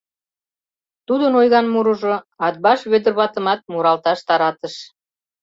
Тудын ойган мурыжо Атбаш Вӧдыр ватымат муралташ таратыш.